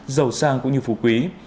giàu sang cũng như phù quý